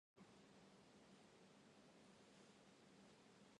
体育館へ行く